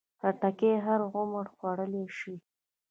خټکی هر عمر خوړلی شي.